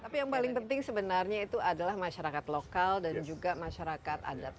tapi yang paling penting sebenarnya itu adalah masyarakat lokal dan juga masyarakat adat